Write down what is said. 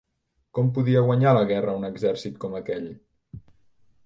Com podia guanyar la guerra un exèrcit com aquell?